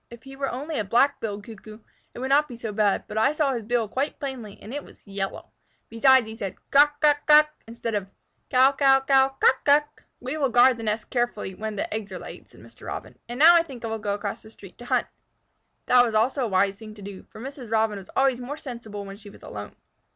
If he were only a Black billed Cuckoo, it would not be so bad, but I saw his bill quite plainly, and it was yellow. Besides, he said, 'Kuk kuk kuk!' instead of 'Kow kow kow kuk kuk!'" "We will guard the nest carefully when the eggs are laid," said Mr. Robin. "And now I think I will go across the street to hunt." That also was a wise thing to do, for Mrs. Robin was always more sensible when she was alone.